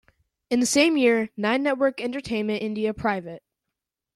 In the same year, 'Nine Network Entertainment India Pvt.